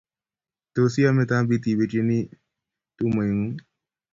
tos iame tambit ipirirchini umoingung